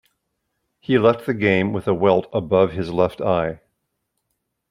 He left the game with a welt above his left eye.